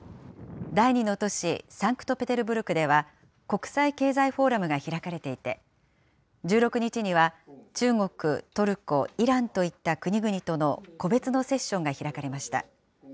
第２の都市サンクトペテルブルクでは、国際経済フォーラムが開かれていて、１６日には中国、トルコ、イランといった国々との個別のセッションが開かれました。